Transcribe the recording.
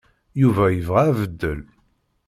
Yuba yebɣa abeddel.